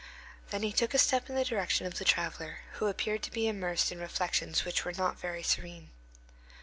Then he took a step in the direction of the traveller, who appeared to be immersed in reflections which were not very serene.